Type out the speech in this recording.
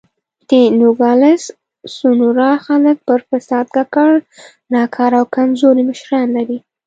د نوګالس سونورا خلک پر فساد ککړ، ناکاره او کمزوري مشران لري.